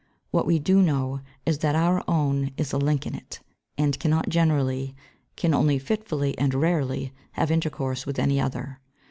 What we do know is that our own is a link in it, and cannot generally, can only fitfully and rarely, have intercourse with any other.